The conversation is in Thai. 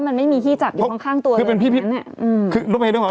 เพราะมันไม่มีที่จับอยู่ข้างตัวเลย